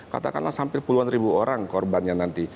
katakanlah hampir puluhan ribu orang korbannya nanti